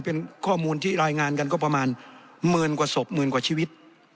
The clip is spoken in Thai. เป็นข้อมูลที่รายงานกันก็ประมาณหมื่นกว่าศพหมื่นกว่าชีวิต